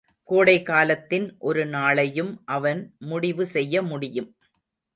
கோடைகாலத்தின் ஒரு நாளையும் அவன் முடிவு செய்ய முடியும்.